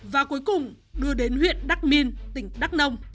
và cuối cùng đưa đến huyện đắc minh tỉnh đắk nông